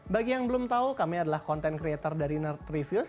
bagi yang belum tahu kami adalah content creator dari nurd reviews